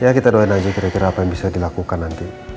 ya kita doain aja kira kira apa yang bisa dilakukan nanti